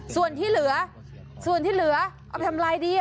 ส่วนที่เหลือส่วนที่เหลือเอาไปทำลายดี